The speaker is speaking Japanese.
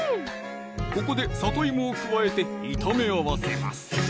ここでさといもを加えて炒め合わせます